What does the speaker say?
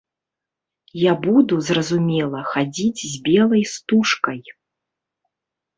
Я буду, зразумела, хадзіць з белай стужкай.